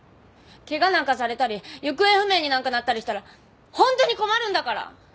ケガなんかされたり行方不明になんかなったりしたらホントに困るんだから！